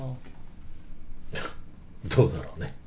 どうだろうね。